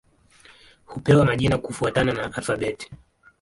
Hupewa majina kufuatana na alfabeti.